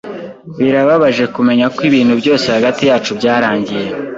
Birababaje kumenya ko ibintu byose hagati yacu byarangiye.